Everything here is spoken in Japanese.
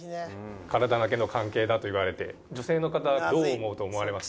体だけの関係だと言われて女性の方どう思うと思われますか？